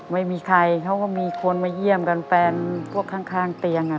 ไม่มีใครเขาก็มีคนมาเยี่ยมกันแฟนพวกข้างเตียงอ่ะ